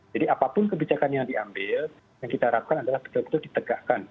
jadi apapun kebijakan yang diambil yang kita harapkan adalah betul betul ditegakkan